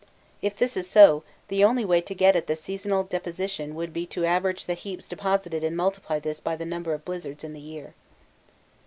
If this is so, the only way to get at the seasonal deposition would be to average the heaps deposited and multiply this by the number of blizzards in the year.